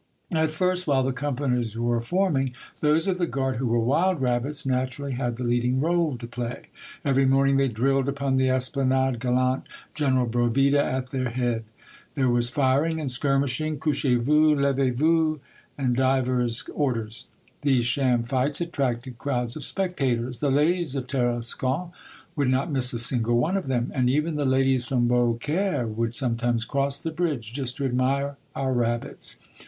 At first, while the companies were forming, those of the guard who were wild rabbits naturally had the leading role to play. Every morning they drilled upon the Esplanade, gallant General Bravida at their 76 Monday Tales. head ; there was firing and skirmishing —^^ Couchez vous! levez vousT^ — and divers orders. These sham fights attracted crowds of spectators. The ladies of Tarascon would not miss a single one of them, and even the ladies from Beaucaire would sometimes cross the bridge, just to admire our rabbits.